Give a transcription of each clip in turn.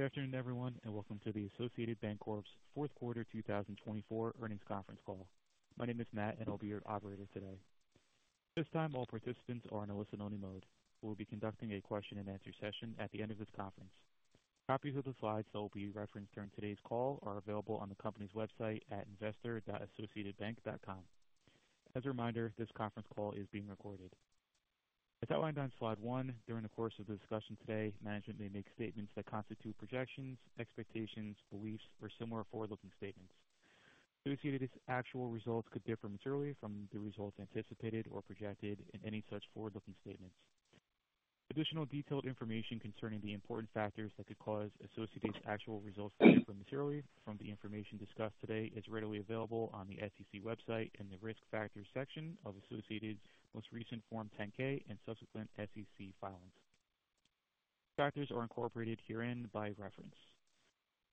Good afternoon, everyone, and welcome to the Associated Banc-Corp's fourth quarter 2024 earnings conference call. My name is Matt, and I'll be your operator today. This time, all participants are in a listen-only mode. We'll be conducting a question-and-answer session at the end of this conference. Copies of the slides that will be referenced during today's call are available on the company's website at investor.associatedbank.com. As a reminder, this conference call is being recorded. As outlined on slide one, during the course of the discussion today, management may make statements that constitute projections, expectations, beliefs, or similar forward-looking statements. Associated Bank's actual results could differ materially from the results anticipated or projected in any such forward-looking statements. Additional detailed information concerning the important factors that could cause Associated Bank's actual results to differ materially from the information discussed today is readily available on the SEC website in the risk factors section of Associated's most recent Form 10-K and subsequent SEC filings. Factors are incorporated herein by reference.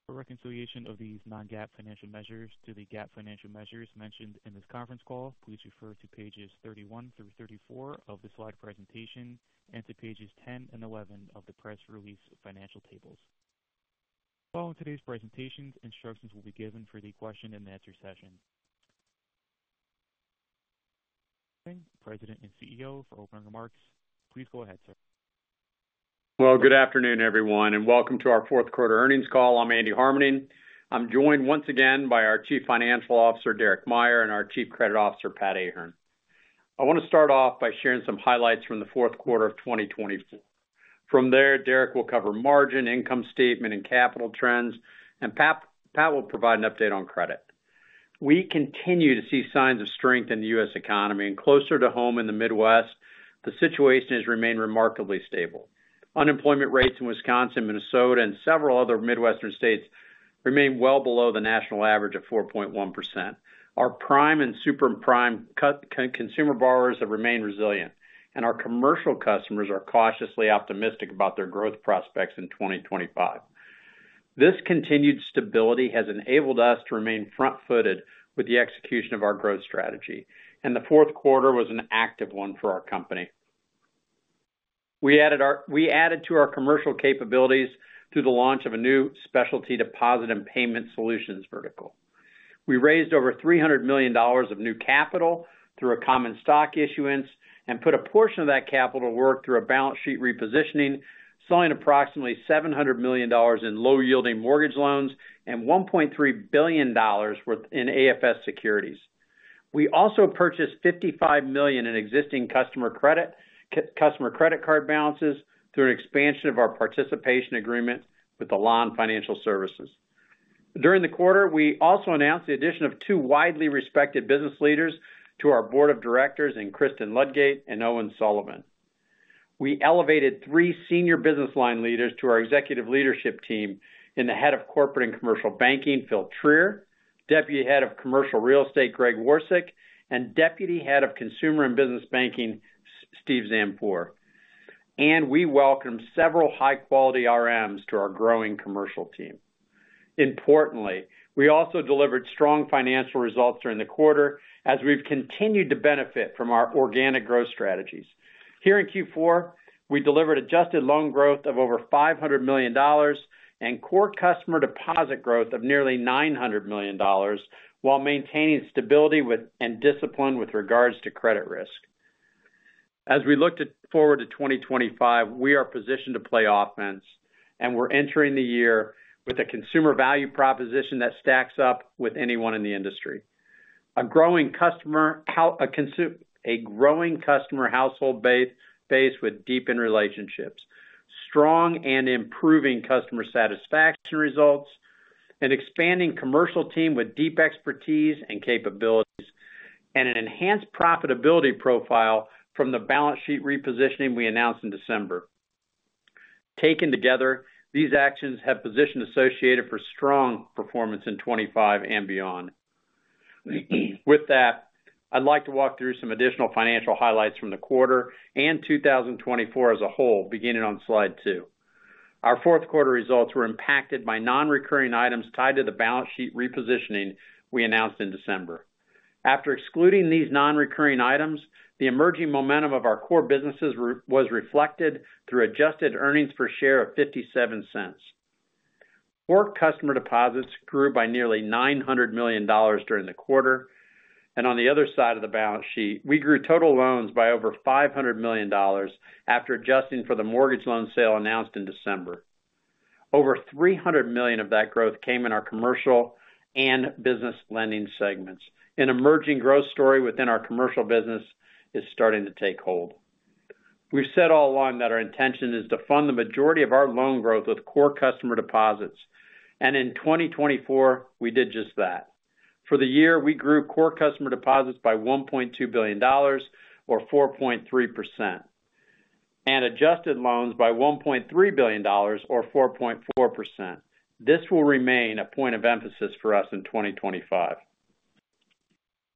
For reconciliation of these non-GAAP financial measures to the GAAP financial measures mentioned in this conference call, please refer to pages 31 through 34 of the slide presentation and to pages 10 and 11 of the press release financial tables. Following today's presentations, instructions will be given for the question and answer session. President and CEO for opening remarks. Please go ahead, sir. Well, good afternoon, everyone, and welcome to our fourth quarter earnings call. I'm Andy Harmening. I'm joined once again by our Chief Financial Officer, Derek Meyer, and our Chief Credit Officer, Pat Ahern. I want to start off by sharing some highlights from the fourth quarter of 2024. From there, Derek will cover margin, income statement, and capital trends, and Pat will provide an update on credit. We continue to see signs of strength in the U.S. economy, and closer to home in the Midwest, the situation has remained remarkably stable. Unemployment rates in Wisconsin, Minnesota, and several other Midwestern states remain well below the national average of 4.1%. Our prime and super prime consumer borrowers have remained resilient, and our commercial customers are cautiously optimistic about their growth prospects in 2025. This continued stability has enabled us to remain front-footed with the execution of our growth strategy, and the fourth quarter was an active one for our company. We added to our commercial capabilities through the launch of a new specialty deposit and payment solutions vertical. We raised over $300 million of new capital through a common stock issuance and put a portion of that capital to work through a balance sheet repositioning, selling approximately $700 million in low-yielding mortgage loans and $1.3 billion in AFS securities. We also purchased $55 million in existing customer credit card balances through an expansion of our participation agreement with Elan Financial Services. During the quarter, we also announced the addition of two widely respected business leaders to our board of directors: Kristin Ludgate and Owen Sullivan. We elevated three senior business line leaders to our executive leadership team: the head of corporate and commercial banking, Phil Trier, deputy head of commercial real estate, Greg Worswick, and deputy head of consumer and business banking, Steve Zandpour, and we welcomed several high-quality RMs to our growing commercial team. Importantly, we also delivered strong financial results during the quarter, as we've continued to benefit from our organic growth strategies. Here in Q4, we delivered adjusted loan growth of over $500 million and core customer deposit growth of nearly $900 million, while maintaining stability and discipline with regards to credit risk. As we look forward to 2025, we are positioned to play offense, and we're entering the year with a consumer value proposition that stacks up with anyone in the industry: a growing customer household base with deepened relationships, strong and improving customer satisfaction results, an expanding commercial team with deep expertise and capabilities, and an enhanced profitability profile from the balance sheet repositioning we announced in December. Taken together, these actions have positioned Associated for strong performance in 2025 and beyond. With that, I'd like to walk through some additional financial highlights from the quarter and 2024 as a whole, beginning on slide two. Our fourth quarter results were impacted by non-recurring items tied to the balance sheet repositioning we announced in December. After excluding these non-recurring items, the emerging momentum of our core businesses was reflected through adjusted earnings per share of $0.57. Core customer deposits grew by nearly $900 million during the quarter, and on the other side of the balance sheet, we grew total loans by over $500 million after adjusting for the mortgage loan sale announced in December. Over $300 million of that growth came in our commercial and business lending segments. An emerging growth story within our commercial business is starting to take hold. We've said all along that our intention is to fund the majority of our loan growth with core customer deposits, and in 2024, we did just that. For the year, we grew core customer deposits by $1.2 billion, or 4.3%, and adjusted loans by $1.3 billion, or 4.4%. This will remain a point of emphasis for us in 2025.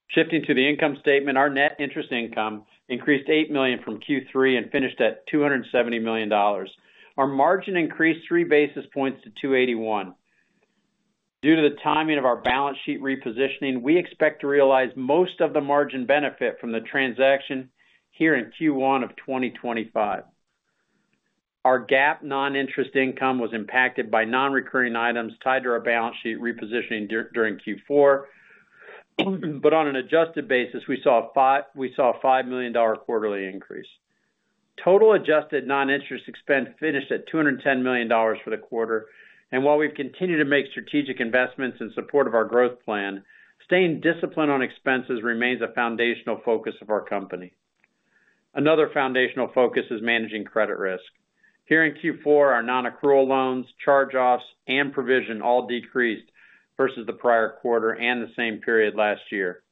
Shifting to the income statement, our net interest income increased $8 million from Q3 and finished at $270 million. Our margin increased three basis points to 281. Due to the timing of our balance sheet repositioning, we expect to realize most of the margin benefit from the transaction here in Q1 of 2025. Our GAAP non-interest income was impacted by non-recurring items tied to our balance sheet repositioning during Q4, but on an adjusted basis, we saw a $5 million quarterly increase. Total adjusted non-interest expense finished at $210 million for the quarter, and while we've continued to make strategic investments in support of our growth plan, staying disciplined on expenses remains a foundational focus of our company. Another foundational focus is managing credit risk. Here in Q4, our non-accrual loans, charge-offs, and provision all decreased versus the prior quarter and the same period last year.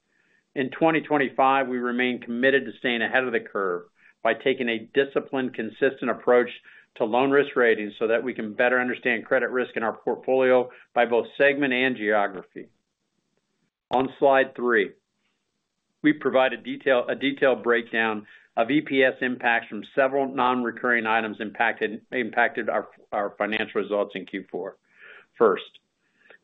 In 2025, we remain committed to staying ahead of the curve by taking a disciplined, consistent approach to loan risk ratings so that we can better understand credit risk in our portfolio by both segment and geography. On slide three, we provide a detailed breakdown of EPS impacts from several non-recurring items impacted our financial results in Q4. First,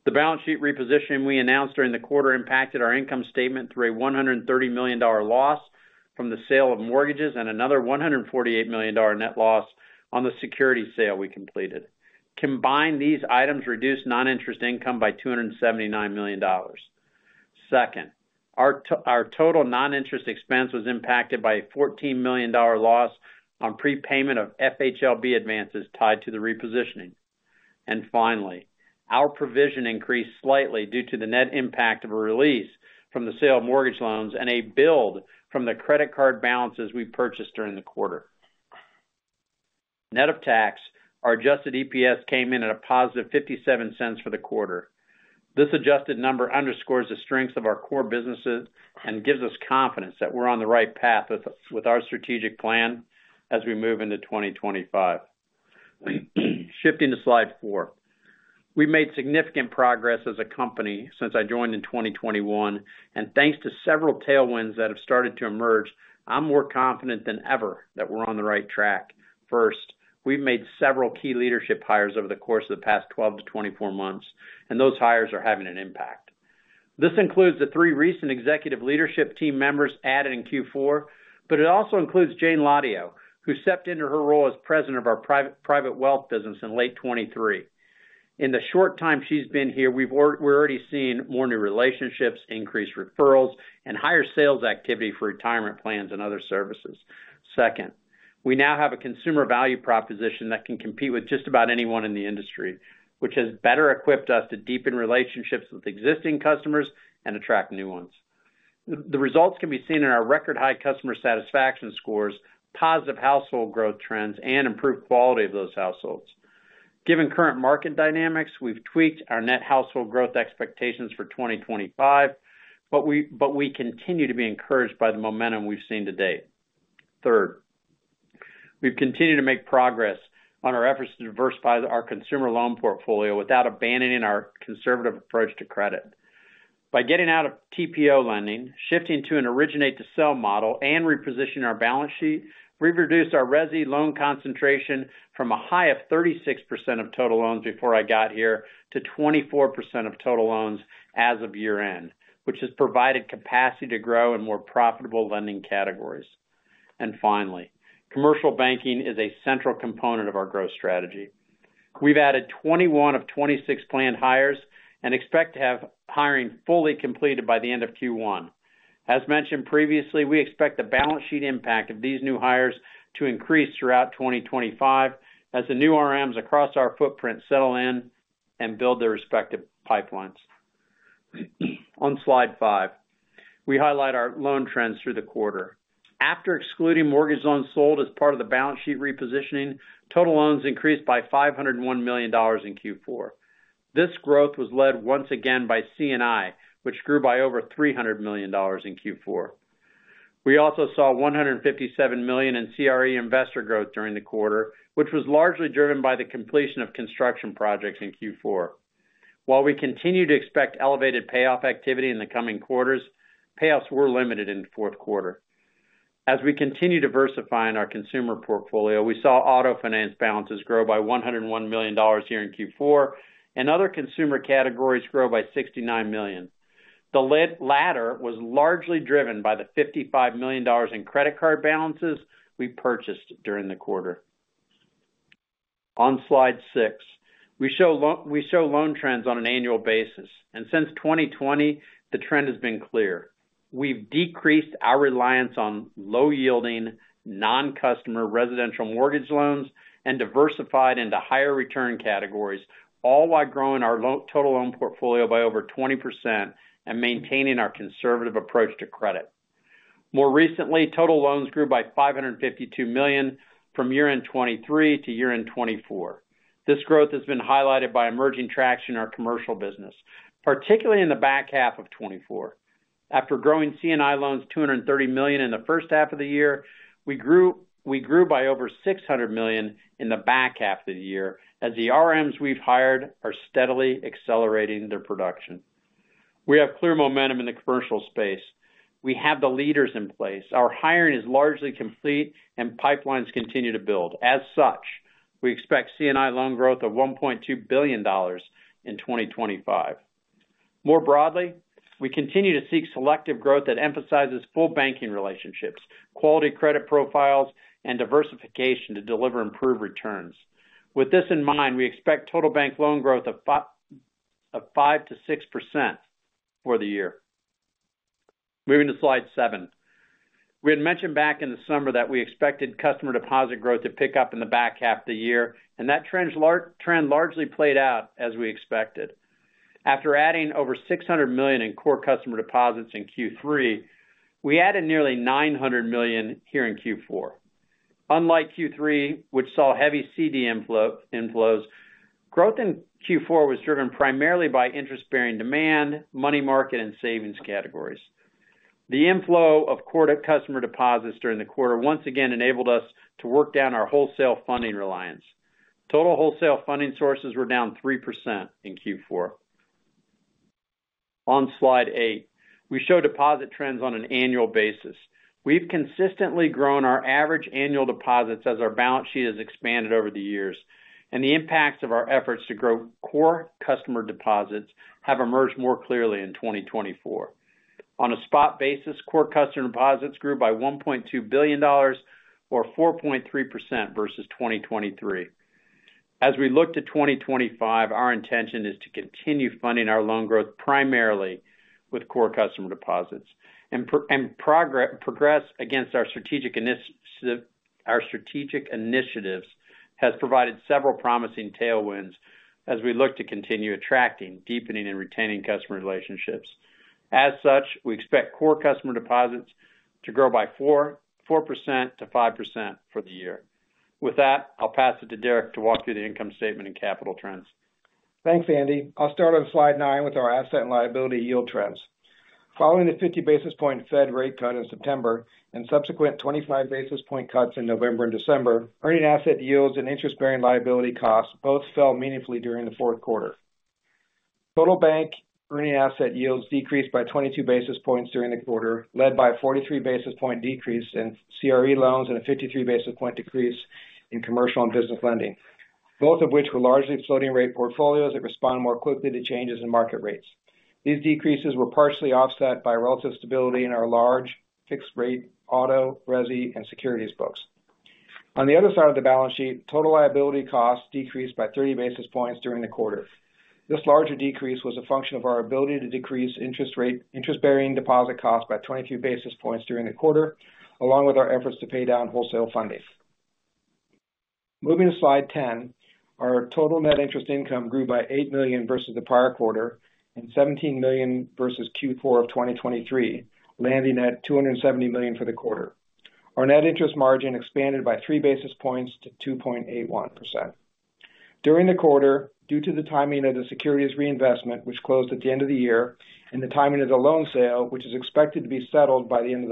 the balance sheet repositioning we announced during the quarter impacted our income statement through a $130 million loss from the sale of mortgages and another $148 million net loss on the security sale we completed. Combined, these items reduced non-interest income by $279 million. Second, our total non-interest expense was impacted by a $14 million loss on prepayment of FHLB advances tied to the repositioning. And finally, our provision increased slightly due to the net impact of a release from the sale of mortgage loans and a build from the credit card balances we purchased during the quarter. Net of tax, our adjusted EPS came in at a positive $0.57 for the quarter. This adjusted number underscores the strengths of our core businesses and gives us confidence that we're on the right path with our strategic plan as we move into 2025. Shifting to slide four, we've made significant progress as a company since I joined in 2021, and thanks to several tailwinds that have started to emerge, I'm more confident than ever that we're on the right track. First, we've made several key leadership hires over the course of the past 12-24 months, and those hires are having an impact. This includes the three recent executive leadership team members added in Q4, but it also includes Jayne Hladio, who stepped into her role as President of our private wealth business in late 2023. In the short time she's been here, we've already seen more new relationships, increased referrals, and higher sales activity for retirement plans and other services. Second, we now have a consumer value proposition that can compete with just about anyone in the industry, which has better equipped us to deepen relationships with existing customers and attract new ones. The results can be seen in our record-high customer satisfaction scores, positive household growth trends, and improved quality of those households. Given current market dynamics, we've tweaked our net household growth expectations for 2025, but we continue to be encouraged by the momentum we've seen to date. Third, we've continued to make progress on our efforts to diversify our consumer loan portfolio without abandoning our conservative approach to credit. By getting out of TPO lending, shifting to an originate-to-sell model, and repositioning our balance sheet, we've reduced our resi loan concentration from a high of 36% of total loans before I got here to 24% of total loans as of year-end, which has provided capacity to grow in more profitable lending categories, and finally, commercial banking is a central component of our growth strategy. We've added 21 of 26 planned hires and expect to have hiring fully completed by the end of Q1. As mentioned previously, we expect the balance sheet impact of these new hires to increase throughout 2025 as the new RMs across our footprint settle in and build their respective pipelines. On slide five, we highlight our loan trends through the quarter. After excluding mortgage loans sold as part of the balance sheet repositioning, total loans increased by $501 million in Q4. This growth was led once again by C&I, which grew by over $300 million in Q4. We also saw $157 million in CRE investor growth during the quarter, which was largely driven by the completion of construction projects in Q4. While we continue to expect elevated payoff activity in the coming quarters, payoffs were limited in the fourth quarter. As we continue diversifying our consumer portfolio, we saw auto finance balances grow by $101 million here in Q4, and other consumer categories grow by $69 million. The latter was largely driven by the $55 million in credit card balances we purchased during the quarter. On slide six, we show loan trends on an annual basis, and since 2020, the trend has been clear. We've decreased our reliance on low-yielding, non-customer residential mortgage loans and diversified into higher return categories, all while growing our total loan portfolio by over 20% and maintaining our conservative approach to credit. More recently, total loans grew by $552 million from year-end 2023 to year-end 2024. This growth has been highlighted by emerging traction in our commercial business, particularly in the back half of 2024. After growing C&I loans $230 million in the first half of the year, we grew by over $600 million in the back half of the year as the RMs we've hired are steadily accelerating their production. We have clear momentum in the commercial space. We have the leaders in place. Our hiring is largely complete and pipelines continue to build. As such, we expect C&I loan growth of $1.2 billion in 2025. More broadly, we continue to seek selective growth that emphasizes full banking relationships, quality credit profiles, and diversification to deliver improved returns. With this in mind, we expect total bank loan growth of 5%-6% for the year. Moving to slide seven, we had mentioned back in the summer that we expected customer deposit growth to pick up in the back half of the year, and that trend largely played out as we expected. After adding over $600 million in core customer deposits in Q3, we added nearly $900 million here in Q4. Unlike Q3, which saw heavy CD inflows, growth in Q4 was driven primarily by interest-bearing demand, money market, and savings categories. The inflow of core customer deposits during the quarter once again enabled us to work down our wholesale funding reliance. Total wholesale funding sources were down 3% in Q4. On slide eight, we show deposit trends on an annual basis. We've consistently grown our average annual deposits as our balance sheet has expanded over the years, and the impacts of our efforts to grow core customer deposits have emerged more clearly in 2024. On a spot basis, core customer deposits grew by $1.2 billion, or 4.3% versus 2023. As we look to 2025, our intention is to continue funding our loan growth primarily with core customer deposits, and progress against our strategic initiatives has provided several promising tailwinds as we look to continue attracting, deepening, and retaining customer relationships. As such, we expect core customer deposits to grow by 4%-5% for the year. With that, I'll pass it to Derek to walk through the income statement and capital trends. Thanks, Andy. I'll start on slide nine with our asset and liability yield trends. Following the 50 basis point Fed rate cut in September and subsequent 25 basis point cuts in November and December, earning asset yields and interest-bearing liability costs both fell meaningfully during the fourth quarter. Total bank earning asset yields decreased by 22 basis points during the quarter, led by a 43 basis point decrease in CRE loans and a 53 basis point decrease in commercial and business lending, both of which were largely floating rate portfolios that respond more quickly to changes in market rates. These decreases were partially offset by relative stability in our large fixed-rate auto, resi, and securities books. On the other side of the balance sheet, total liability costs decreased by 30 basis points during the quarter. This larger decrease was a function of our ability to decrease interest-bearing deposit costs by 22 basis points during the quarter, along with our efforts to pay down wholesale funding. Moving to slide 10, our total net interest income grew by $8 million versus the prior quarter and $17 million versus Q4 of 2023, landing at $270 million for the quarter. Our net interest margin expanded by 3 basis points to 2.81%. During the quarter, due to the timing of the securities reinvestment, which closed at the end of the year, and the timing of the loan sale, which is expected to be settled by the end of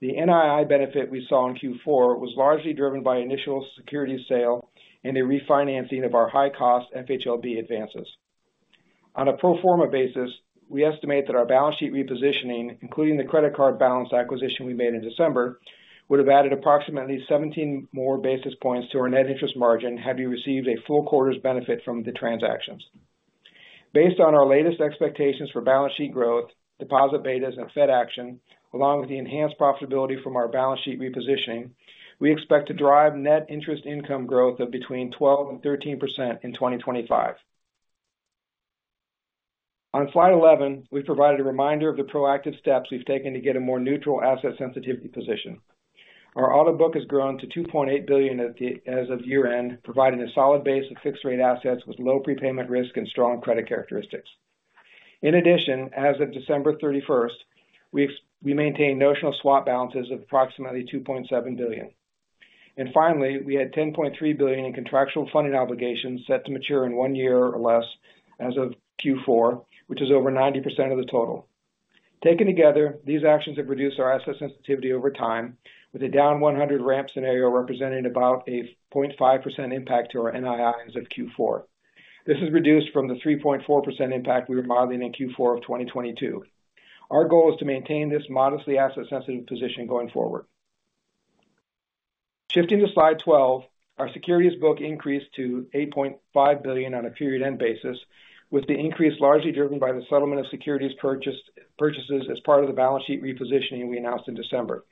the month, the NII benefit we saw in Q4 was largely driven by initial securities sale and the refinancing of our high-cost FHLB advances. On a pro forma basis, we estimate that our balance sheet repositioning, including the credit card balance acquisition we made in December, would have added approximately 17 more basis points to our net interest margin had we received a full quarter's benefit from the transactions. Based on our latest expectations for balance sheet growth, deposit betas, and Fed action, along with the enhanced profitability from our balance sheet repositioning, we expect to drive net interest income growth of between 12% and 13% in 2025. On slide 11, we provide a reminder of the proactive steps we've taken to get a more neutral asset sensitivity position. Our auto book has grown to $2.8 billion as of year-end, providing a solid base of fixed-rate assets with low prepayment risk and strong credit characteristics. In addition, as of December 31st, we maintain notional swap balances of approximately $2.7 billion. Finally, we had $10.3 billion in contractual funding obligations set to mature in one year or less as of Q4, which is over 90% of the total. Taken together, these actions have reduced our asset sensitivity over time, with a down 100 ramp scenario representing about a 0.5% impact to our NII as of Q4. This is reduced from the 3.4% impact we were modeling in Q4 of 2022. Our goal is to maintain this modestly asset-sensitive position going forward. Shifting to slide 12, our securities book increased to $8.5 billion on a period-end basis, with the increase largely driven by the settlement of securities purchases as part of the balance sheet repositioning we announced in December.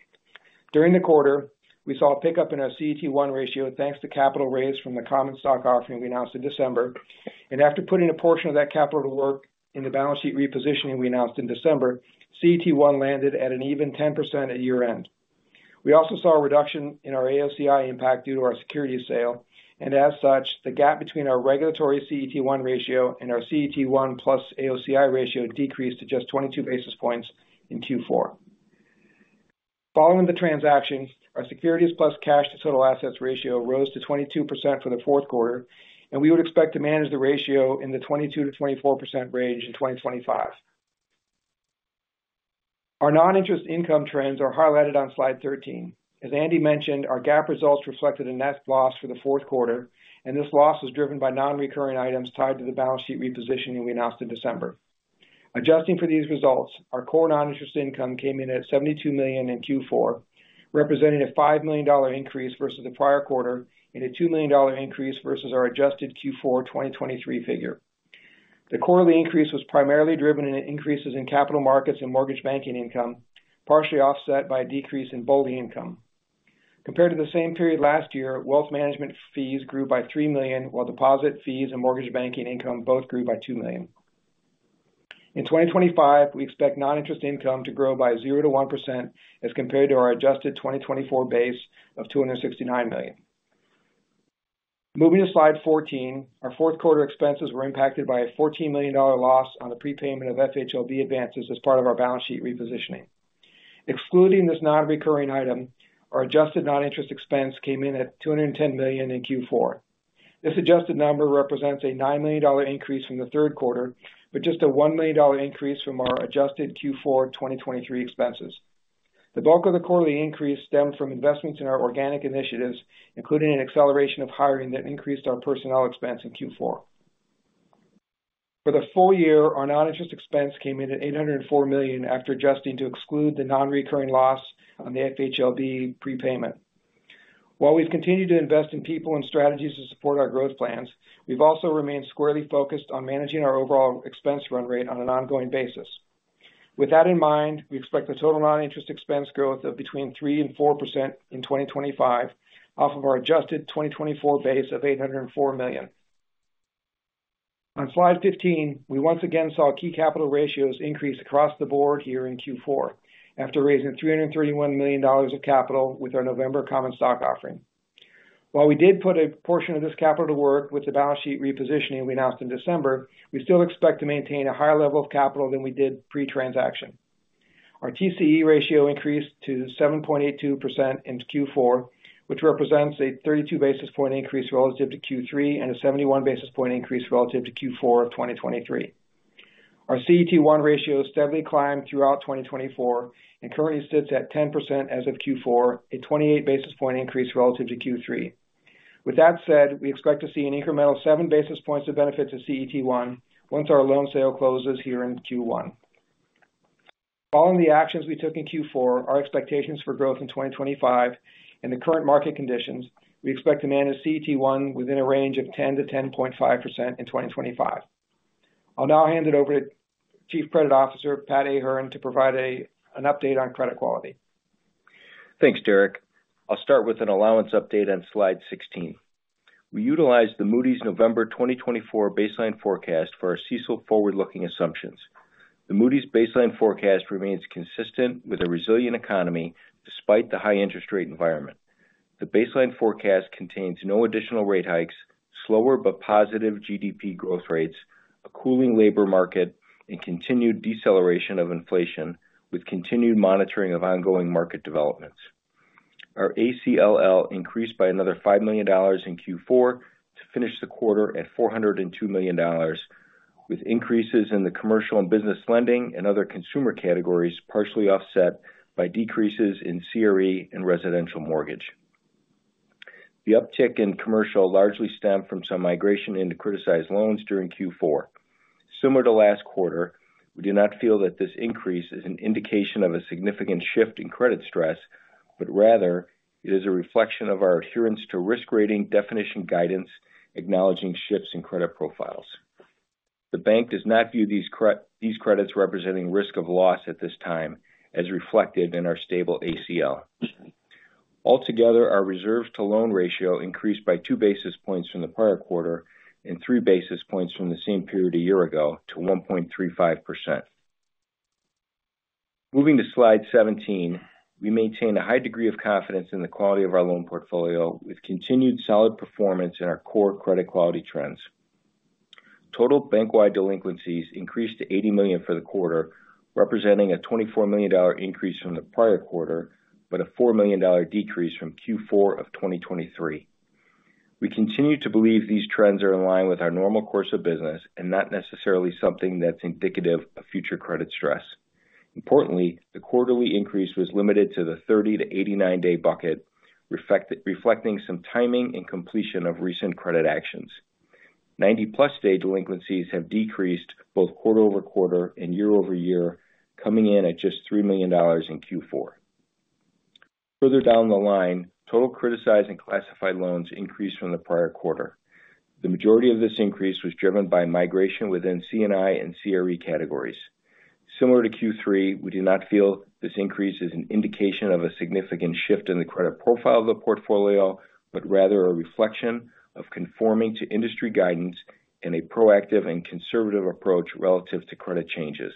During the quarter, we saw a pickup in our CET1 ratio thanks to capital raised from the common stock offering we announced in December. After putting a portion of that capital to work in the balance sheet repositioning we announced in December, CET1 landed at an even 10% at year-end. We also saw a reduction in our AOCI impact due to our securities sale, and as such, the gap between our regulatory CET1 ratio and our CET1 plus AOCI ratio decreased to just 22 basis points in Q4. Following the transaction, our securities plus cash to total assets ratio rose to 22% for the fourth quarter, and we would expect to manage the ratio in the 22%-24% range in 2025. Our non-interest income trends are highlighted on slide 13. As Andy mentioned, our gap results reflected a net loss for the fourth quarter, and this loss was driven by non-recurring items tied to the balance sheet repositioning we announced in December. Adjusting for these results, our core non-interest income came in at $72 million in Q4, representing a $5 million increase versus the prior quarter and a $2 million increase versus our adjusted Q4 2023 figure. The quarterly increase was primarily driven by increases in capital markets and mortgage banking income, partially offset by a decrease in BOLI income. Compared to the same period last year, wealth management fees grew by $3 million, while deposit fees and mortgage banking income both grew by $2 million. In 2025, we expect non-interest income to grow by 0% to 1% as compared to our adjusted 2024 base of $269 million. Moving to slide 14, our fourth quarter expenses were impacted by a $14 million loss on the prepayment of FHLB advances as part of our balance sheet repositioning. Excluding this non-recurring item, our adjusted non-interest expense came in at $210 million in Q4. This adjusted number represents a $9 million increase from the third quarter, but just a $1 million increase from our adjusted Q4 2023 expenses. The bulk of the quarterly increase stemmed from investments in our organic initiatives, including an acceleration of hiring that increased our personnel expense in Q4. For the full year, our non-interest expense came in at $804 million after adjusting to exclude the non-recurring loss on the FHLB prepayment. While we've continued to invest in people and strategies to support our growth plans, we've also remained squarely focused on managing our overall expense run rate on an ongoing basis. With that in mind, we expect the total non-interest expense growth of between 3% and 4% in 2025 off of our adjusted 2024 base of $804 million. On slide 15, we once again saw key capital ratios increase across the board here in Q4 after raising $331 million of capital with our November common stock offering. While we did put a portion of this capital to work with the balance sheet repositioning we announced in December, we still expect to maintain a higher level of capital than we did pre-transaction. Our TCE ratio increased to 7.82% in Q4, which represents a 32 basis point increase relative to Q3 and a 71 basis point increase relative to Q4 of 2023. Our CET1 ratio steadily climbed throughout 2024 and currently sits at 10% as of Q4, a 28 basis point increase relative to Q3. With that said, we expect to see an incremental 7 basis points of benefit to CET1 once our loan sale closes here in Q1. Following the actions we took in Q4, our expectations for growth in 2025 and the current market conditions, we expect to manage CET1 within a range of 10%-10.5% in 2025. I'll now hand it over to Chief Credit Officer, Pat Ahern, to provide an update on credit quality. Thanks, Derek. I'll start with an allowance update on slide 16. We utilized the Moody's November 2024 baseline forecast for our CECL forward-looking assumptions. The Moody's baseline forecast remains consistent with a resilient economy despite the high interest rate environment. The baseline forecast contains no additional rate hikes, slower but positive GDP growth rates, a cooling labor market, and continued deceleration of inflation with continued monitoring of ongoing market developments. Our ACL increased by another $5 million in Q4 to finish the quarter at $402 million, with increases in the commercial and business lending and other consumer categories partially offset by decreases in CRE and residential mortgage. The uptick in commercial largely stemmed from some migration into criticized loans during Q4. Similar to last quarter, we do not feel that this increase is an indication of a significant shift in credit stress, but rather it is a reflection of our adherence to risk rating definition guidance acknowledging shifts in credit profiles. The bank does not view these credits representing risk of loss at this time, as reflected in our stable ACL. Altogether, our reserves to loan ratio increased by 2 basis points from the prior quarter and 3 basis points from the same period a year ago to 1.35%. Moving to slide 17, we maintain a high degree of confidence in the quality of our loan portfolio with continued solid performance in our core credit quality trends. Total bank-wide delinquencies increased to $80 million for the quarter, representing a $24 million increase from the prior quarter but a $4 million decrease from Q4 of 2023. We continue to believe these trends are in line with our normal course of business and not necessarily something that's indicative of future credit stress. Importantly, the quarterly increase was limited to the 30 to 89-day bucket, reflecting some timing and completion of recent credit actions. 90-plus-day delinquencies have decreased both quarter over quarter and year over year, coming in at just $3 million in Q4. Further down the line, total criticized and classified loans increased from the prior quarter. The majority of this increase was driven by migration within C&I and CRE categories. Similar to Q3, we do not feel this increase is an indication of a significant shift in the credit profile of the portfolio, but rather a reflection of conforming to industry guidance and a proactive and conservative approach relative to credit changes.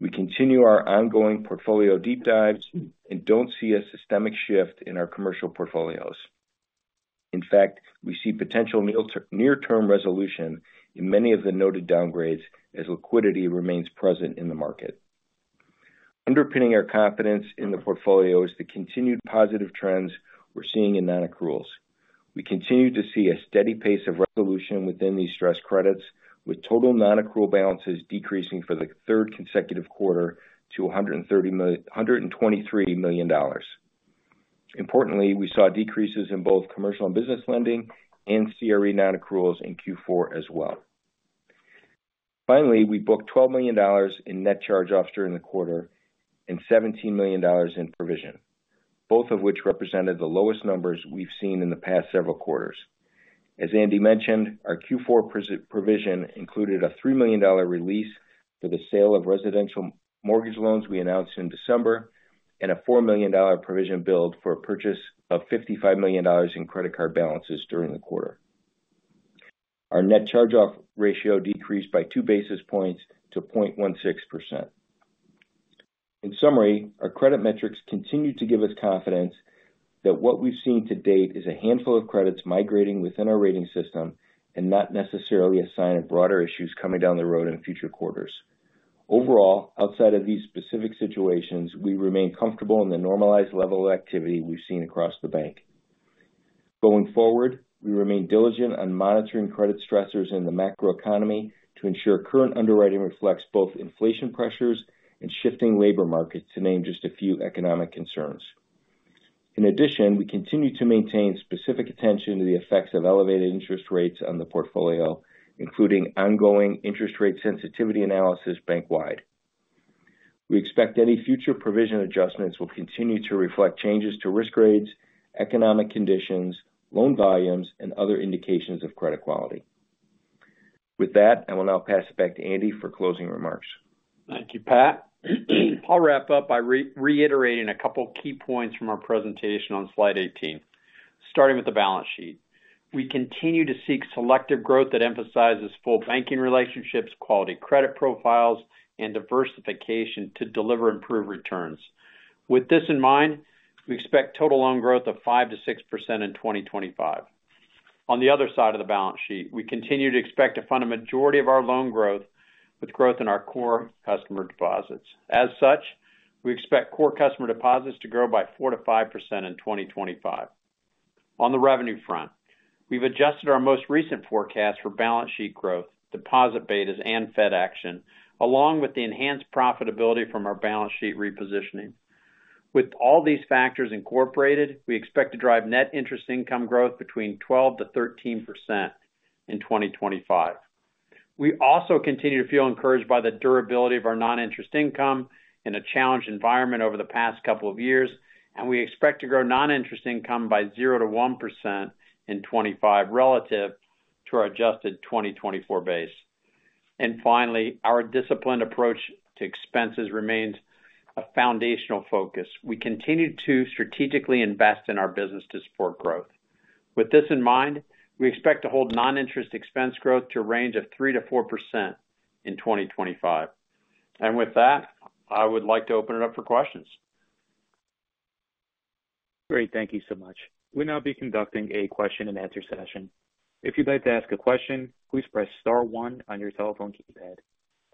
We continue our ongoing portfolio deep dives and don't see a systemic shift in our commercial portfolios. In fact, we see potential near-term resolution in many of the noted downgrades as liquidity remains present in the market. Underpinning our confidence in the portfolio is the continued positive trends we're seeing in non-accruals. We continue to see a steady pace of resolution within these stress credits, with total non-accrual balances decreasing for the third consecutive quarter to $123 million. Importantly, we saw decreases in both commercial and business lending and CRE non-accruals in Q4 as well. Finally, we booked $12 million in net charge-offs during the quarter and $17 million in provision, both of which represented the lowest numbers we've seen in the past several quarters. As Andy mentioned, our Q4 provision included a $3 million release for the sale of residential mortgage loans we announced in December and a $4 million provision build for a purchase of $55 million in credit card balances during the quarter. Our net charge-off ratio decreased by 2 basis points to 0.16%. In summary, our credit metrics continue to give us confidence that what we've seen to date is a handful of credits migrating within our rating system and not necessarily a sign of broader issues coming down the road in future quarters. Overall, outside of these specific situations, we remain comfortable in the normalized level of activity we've seen across the bank. Going forward, we remain diligent on monitoring credit stressors in the macroeconomy to ensure current underwriting reflects both inflation pressures and shifting labor markets, to name just a few economic concerns. In addition, we continue to maintain specific attention to the effects of elevated interest rates on the portfolio, including ongoing interest rate sensitivity analysis bank-wide. We expect any future provision adjustments will continue to reflect changes to risk rates, economic conditions, loan volumes, and other indications of credit quality. With that, I will now pass it back to Andy for closing remarks. Thank you, Pat. I'll wrap up by reiterating a couple of key points from our presentation on slide 18, starting with the balance sheet. We continue to seek selective growth that emphasizes full banking relationships, quality credit profiles, and diversification to deliver improved returns. With this in mind, we expect total loan growth of 5%-6% in 2025. On the other side of the balance sheet, we continue to expect to fund a majority of our loan growth with growth in our core customer deposits. As such, we expect core customer deposits to grow by 4%-5% in 2025. On the revenue front, we've adjusted our most recent forecast for balance sheet growth, deposit betas, and Fed action, along with the enhanced profitability from our balance sheet repositioning. With all these factors incorporated, we expect to drive net interest income growth between 12%-13% in 2025. We also continue to feel encouraged by the durability of our non-interest income in a challenged environment over the past couple of years, and we expect to grow non-interest income by 0%-1% in 2025 relative to our adjusted 2024 base. And finally, our disciplined approach to expenses remains a foundational focus. We continue to strategically invest in our business to support growth. With this in mind, we expect to hold non-interest expense growth to a range of 3%-4% in 2025. And with that, I would like to open it up for questions. Great. Thank you so much. We'll now be conducting a question-and-answer session. If you'd like to ask a question, please press star one on your telephone keypad.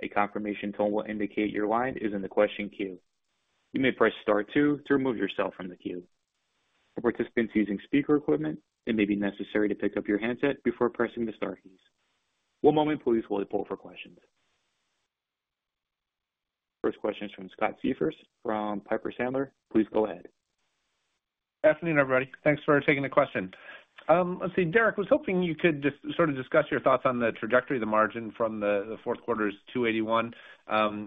A confirmation tone will indicate your line is in the question queue. You may press star two to remove yourself from the queue. For participants using speaker equipment, it may be necessary to pick up your handset before pressing the Star keys. One moment, please, while we pull for questions. First question is from Scott Siefers from Piper Sandler. Please go ahead. Good afternoon, everybody. Thanks for taking the question. Let's see. Derek, I was hoping you could just sort of discuss your thoughts on the trajectory, the margin from the fourth quarter's 281.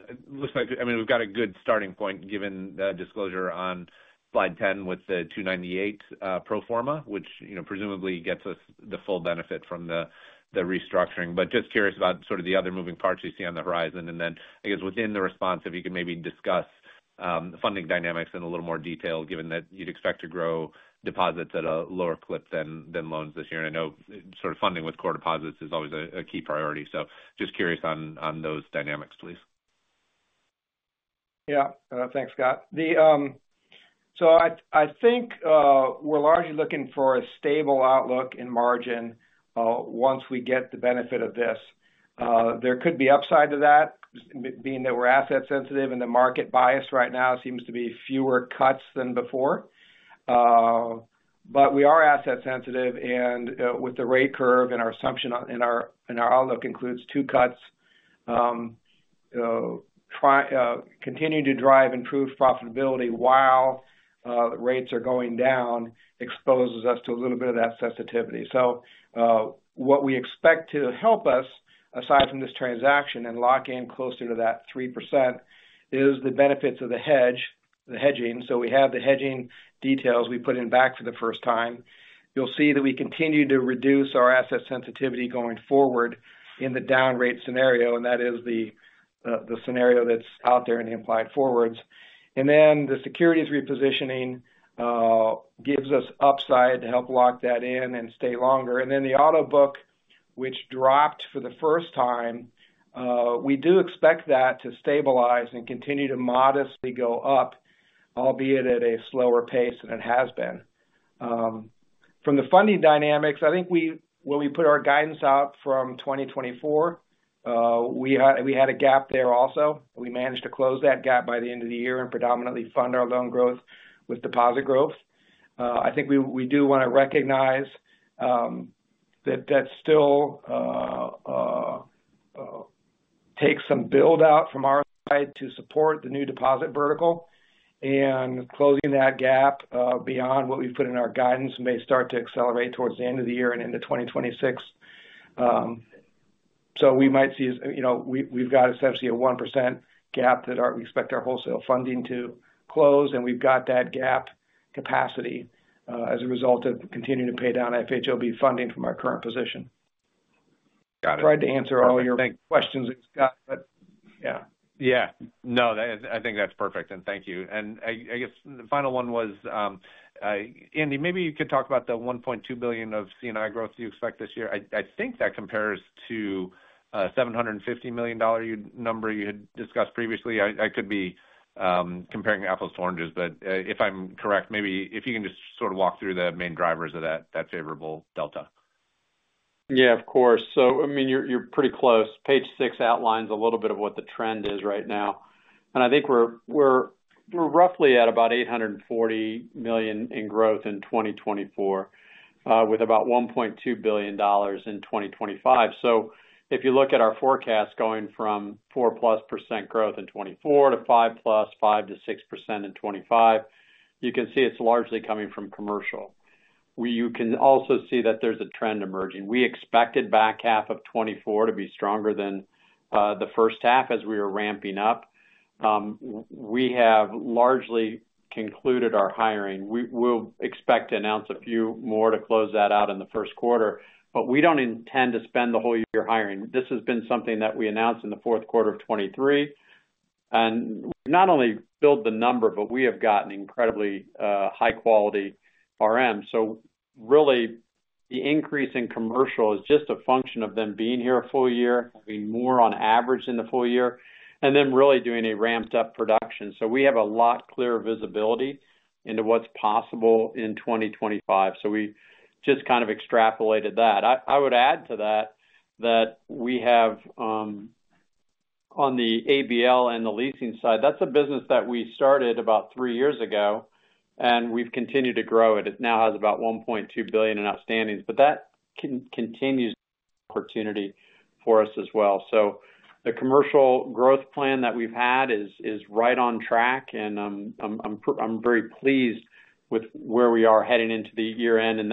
It looks like, I mean, we've got a good starting point given the disclosure on slide 10 with the 298 pro forma, which presumably gets us the full benefit from the restructuring. But just curious about sort of the other moving parts you see on the horizon. And then, I guess, within the response, if you could maybe discuss funding dynamics in a little more detail, given that you'd expect to grow deposits at a lower clip than loans this year. And I know sort of funding with core deposits is always a key priority. So just curious on those dynamics, please. Yeah. Thanks, Scott. So I think we're largely looking for a stable outlook in margin once we get the benefit of this. There could be upside to that, being that we're asset-sensitive and the market bias right now seems to be fewer cuts than before. But we are asset-sensitive, and with the rate curve and our assumption in our outlook includes two cuts, continuing to drive improved profitability while rates are going down exposes us to a little bit of that sensitivity. So what we expect to help us, aside from this transaction and lock in closer to that 3%, is the benefits of the hedging. So we have the hedging details we put in back for the first time. You'll see that we continue to reduce our asset sensitivity going forward in the down rate scenario, and that is the scenario that's out there in the implied forwards. And then the securities repositioning gives us upside to help lock that in and stay longer. And then the auto book, which dropped for the first time, we do expect that to stabilize and continue to modestly go up, albeit at a slower pace than it has been. From the funding dynamics, I think when we put our guidance out from 2024, we had a gap there also. We managed to close that gap by the end of the year and predominantly fund our loan growth with deposit growth. I think we do want to recognize that that still takes some build-out from our side to support the new deposit vertical. And closing that gap beyond what we've put in our guidance may start to accelerate towards the end of the year and into 2026. So we might see we've got essentially a 1% gap that we expect our wholesale funding to close, and we've got that gap capacity as a result of continuing to pay down FHLB funding from our current position. Got it. Tried to answer all your questions, Scott, but yeah. Yeah. No, I think that's perfect. And thank you. And I guess the final one was, Andy, maybe you could talk about the $1.2 billion of C&I growth you expect this year. I think that compares to a $750 million number you had discussed previously. I could be comparing apples to oranges, but if I'm correct, maybe if you can just sort of walk through the main drivers of that favorable delta. Yeah, of course. So, I mean, you're pretty close. Page 6 outlines a little bit of what the trend is right now. I think we're roughly at about $840 million in growth in 2024, with about $1.2 billion in 2025. So if you look at our forecast going from 4-plus% growth in 2024 to 5-plus%, 5%-6% in 2025, you can see it's largely coming from commercial. You can also see that there's a trend emerging. We expected back half of 2024 to be stronger than the first half as we were ramping up. We have largely concluded our hiring. We'll expect to announce a few more to close that out in the first quarter, but we don't intend to spend the whole year hiring. This has been something that we announced in the fourth quarter of 2023. And we've not only built the number, but we have gotten incredibly high-quality RMs. So really, the increase in commercial is just a function of them being here a full year, having more on average in the full year, and then really doing a ramped-up production. So we have a lot clearer visibility into what's possible in 2025. So we just kind of extrapolated that. I would add to that that we have on the ABL and the leasing side. That's a business that we started about three years ago, and we've continued to grow it. It now has about $1.2 billion in outstandings, but that continues to be an opportunity for us as well. So the commercial growth plan that we've had is right on track, and I'm very pleased with where we are heading into the year end, and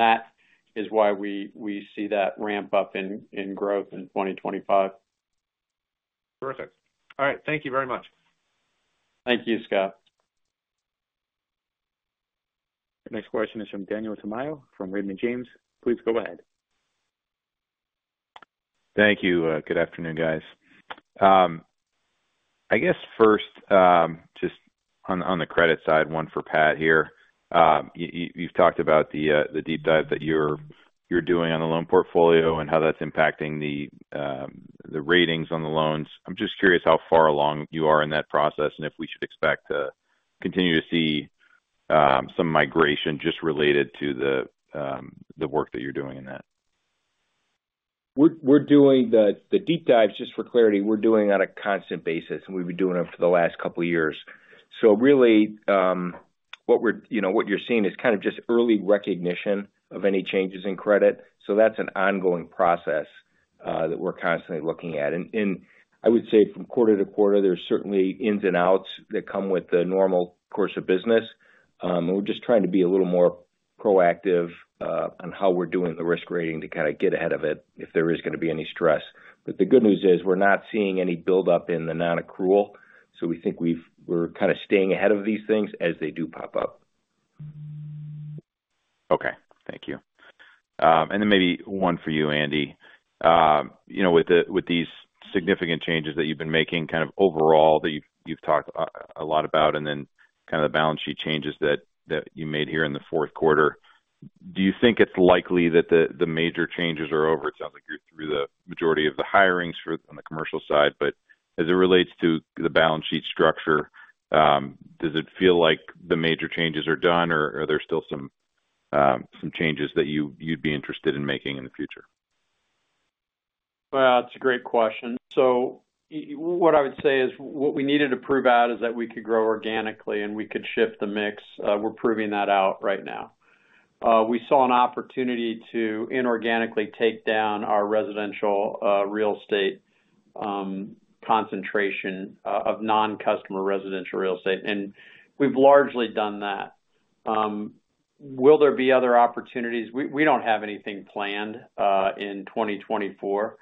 that is why we see that ramp up in growth in 2025. Terrific. All right. Thank you very much. Thank you, Scott. Next question is from Daniel Tamayo from Raymond James. Please go ahead. Thank you. Good afternoon, guys. I guess first, just on the credit side, one for Pat here. You've talked about the deep dive that you're doing on the loan portfolio and how that's impacting the ratings on the loans. I'm just curious how far along you are in that process and if we should expect to continue to see some migration just related to the work that you're doing in that. We're doing the deep dives, just for clarity, we're doing on a constant basis, and we've been doing them for the last couple of years. So really, what you're seeing is kind of just early recognition of any changes in credit. So that's an ongoing process that we're constantly looking at. I would say from quarter to quarter, there's certainly ins and outs that come with the normal course of business. We're just trying to be a little more proactive on how we're doing the risk rating to kind of get ahead of it if there is going to be any stress. But the good news is we're not seeing any build-up in the non-accrual. So we think we're kind of staying ahead of these things as they do pop up. Okay. Thank you. And then maybe one for you, Andy. With these significant changes that you've been making kind of overall that you've talked a lot about and then kind of the balance sheet changes that you made here in the fourth quarter, do you think it's likely that the major changes are over? It sounds like you're through the majority of the hirings on the commercial side. But as it relates to the balance sheet structure, does it feel like the major changes are done, or are there still some changes that you'd be interested in making in the future? Well, it's a great question. So what I would say is what we needed to prove out is that we could grow organically, and we could shift the mix. We're proving that out right now. We saw an opportunity to inorganically take down our residential real estate concentration of non-customer residential real estate. And we've largely done that. Will there be other opportunities? We don't have anything planned in 2024,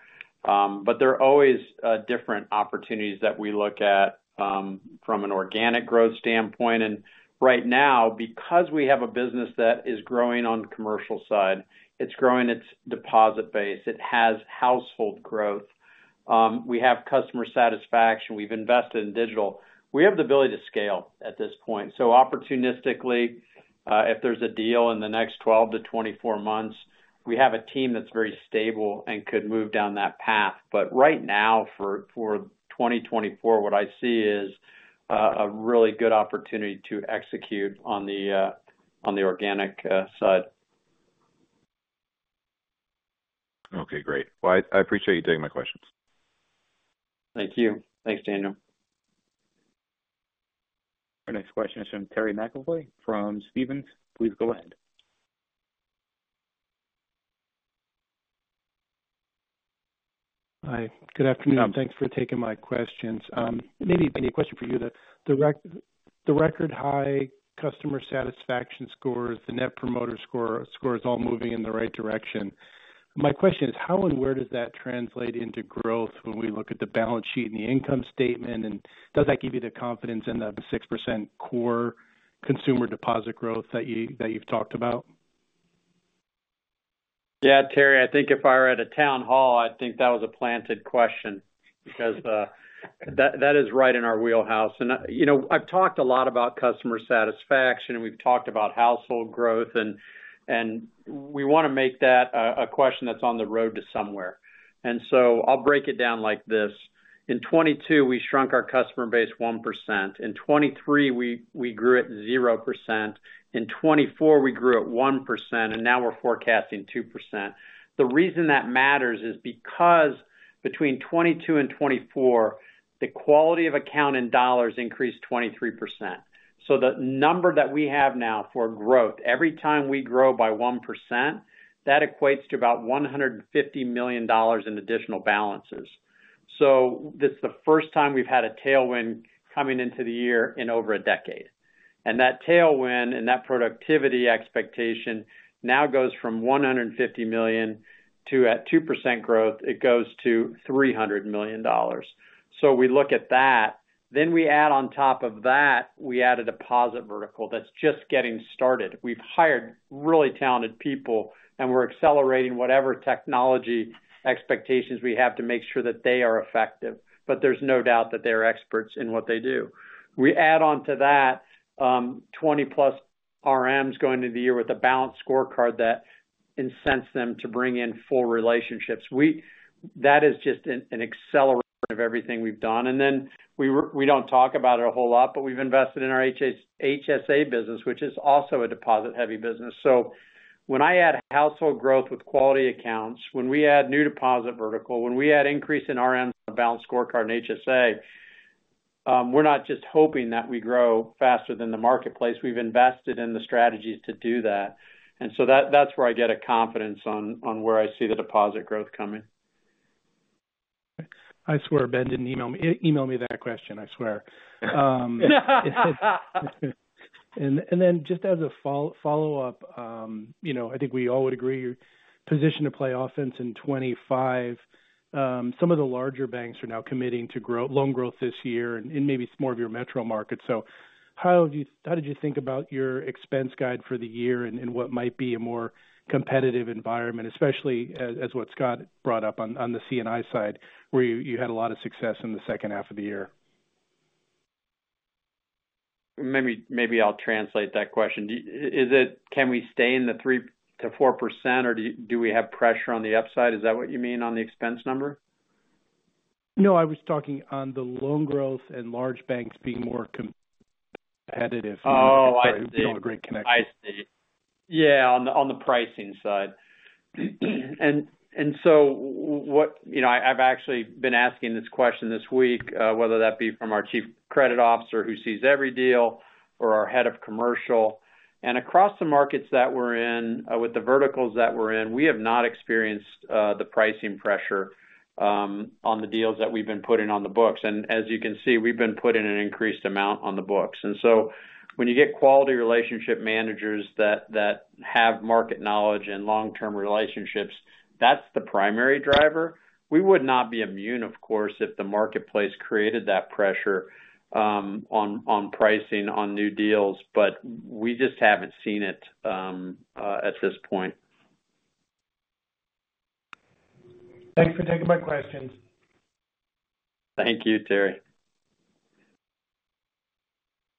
but there are always different opportunities that we look at from an organic growth standpoint. And right now, because we have a business that is growing on the commercial side, it's growing its deposit base. It has household growth. We have customer satisfaction. We've invested in digital. We have the ability to scale at this point. So opportunistically, if there's a deal in the next 12-24 months, we have a team that's very stable and could move down that path. But right now, for 2024, what I see is a really good opportunity to execute on the organic side. Okay. Great. Well, I appreciate you taking my questions. Thank you. Thanks, Daniel. Our next question is from Terry McEvoy from Stephens. Please go ahead. Hi. Good afternoon. Thanks for taking my questions. Maybe a question for you. The record-high customer satisfaction scores, the Net Promoter scores all moving in the right direction. My question is, how and where does that translate into growth when we look at the balance sheet and the income statement? And does that give you the confidence in the 6% core consumer deposit growth that you've talked about? Yeah, Terry, I think if I were at a town hall, I think that was a planted question because that is right in our wheelhouse, and I've talked a lot about customer satisfaction, and we've talked about household growth, and we want to make that a question that's on the road to somewhere, and so I'll break it down like this. In 2022, we shrunk our customer base 1%. In 2023, we grew at 0%. In 2024, we grew at 1%, and now we're forecasting 2%. The reason that matters is because between 2022 and 2024, the quality of account in dollars increased 23%, so the number that we have now for growth, every time we grow by 1%, that equates to about $150 million in additional balances, so this is the first time we've had a tailwind coming into the year in over a decade. And that tailwind and that productivity expectation now goes from $150 million to, at 2% growth, it goes to $300 million. So we look at that. Then we add on top of that, we add a deposit vertical that's just getting started. We've hired really talented people, and we're accelerating whatever technology expectations we have to make sure that they are effective. But there's no doubt that they're experts in what they do. We add on to that 20+ RMs going into the year with a balanced scorecard that incents them to bring in full relationships. That is just an accelerator of everything we've done. And then we don't talk about it a whole lot, but we've invested in our HSA business, which is also a deposit-heavy business. So when I add household growth with quality accounts, when we add new deposit vertical, when we add increase in RMs on a balanced scorecard in HSA, we're not just hoping that we grow faster than the marketplace. We've invested in the strategies to do that. And so that's where I get a confidence on where I see the deposit growth coming. I swear, Ben, didn't email me that question. I swear. And then just as a follow-up, I think we all would agree your position to play offense in 2025, some of the larger banks are now committing to loan growth this year and maybe some more of your metro markets. So, how did you think about your expense guide for the year and what might be a more competitive environment, especially as what Scott brought up on the C&I side, where you had a lot of success in the second half of the year? Maybe I'll translate that question. Can we stay in the 3%-4%, or do we have pressure on the upside? Is that what you mean on the expense number? No, I was talking on the loan growth and large banks being more competitive. Oh, I see. You have a great connection. I see. Yeah, on the pricing side. And so I've actually been asking this question this week, whether that be from our Chief Credit Officer who sees every deal or our head of commercial. And across the markets that we're in, with the verticals that we're in, we have not experienced the pricing pressure on the deals that we've been putting on the books. And as you can see, we've been putting an increased amount on the books. And so when you get quality relationship managers that have market knowledge and long-term relationships, that's the primary driver. We would not be immune, of course, if the marketplace created that pressure on pricing on new deals, but we just haven't seen it at this point. Thanks for taking my questions. Thank you, Terry.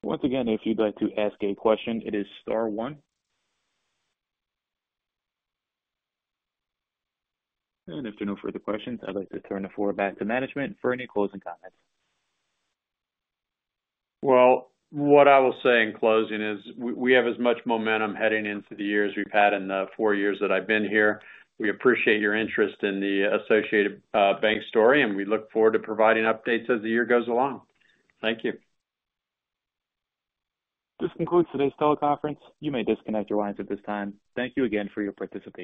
Once again, if you'd like to ask a question, it is star one. And if there are no further questions, I'd like to turn the floor back to management for any closing comments. What I will say in closing is we have as much momentum heading into the year as we've had in the four years that I've been here. We appreciate your interest in the Associated Bank story, and we look forward to providing updates as the year goes along. Thank you. This concludes today's teleconference. You may disconnect your lines at this time. Thank you again for your participation.